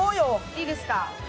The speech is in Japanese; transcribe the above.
いいですか？